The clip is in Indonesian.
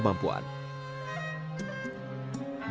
dan juga memiliki kemampuan